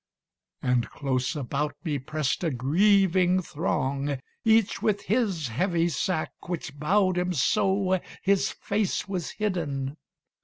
And close about me pressed a grieving throng, Each with his heavy sack, which bowed him so His face was hidden.